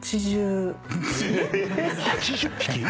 ８０匹！？